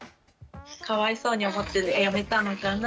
かわいそうに思ってやめたのかなって。